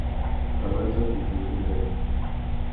Tu tà ma tsaka udjï wumbêrê.